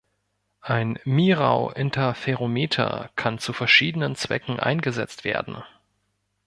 Ein Mirau-Interferometer kann zu verschiedenen Zwecken eingesetzt werden.